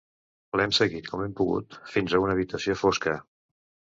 L'hem seguit com hem pogut fins a una habitació fosca.